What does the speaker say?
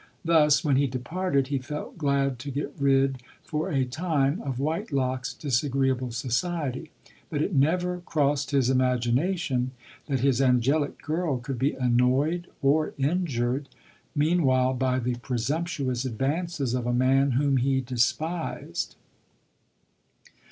Thus when he departed, he felt glad to get rid, for a time, of Whitelock's disagreeable society ; but it never crossed his imagination that his angelic girl could be annoyed or injured, meanwhile, by tin presumptuous advances of a man whom he de spised.